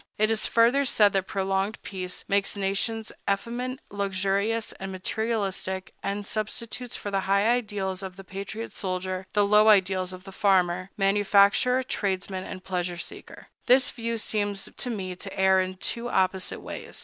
It is further said that prolonged peace makes nations effeminate, luxurious, and materialistic, and substitutes for the high ideals of the patriot soldier the low ideals of the farmer, manufacturer, tradesman, and pleasure seeker. This view seems to me to err in two opposite ways.